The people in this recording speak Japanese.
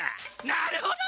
なるほど！